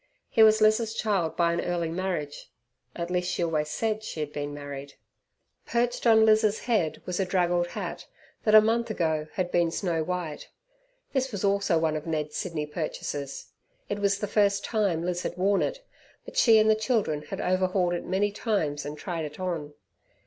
He was Liz's child by an early marriage at least, she always said she had been married. Perched on Liz's head was a draggled hat that a month ago had been snow white. This also was one of Ned's Sydney purchases. It was the first tune Liz had worn it, but she and the children had overhauled it many times and tried it on.